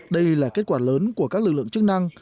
đây là kết quả lớn của các lực lượng chức năng